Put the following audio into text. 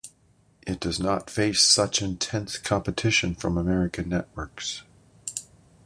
It does not face such intense competition from American networks.